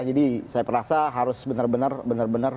jadi saya perasa harus benar benar